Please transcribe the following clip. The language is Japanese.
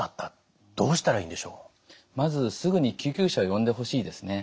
まずすぐに救急車を呼んでほしいですね。